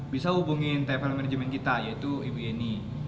bisa hubungin tvl manajemen kita yaitu ibni